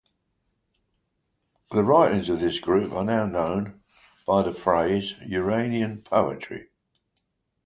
The writings of this group are now known by the phrase "Uranian poetry".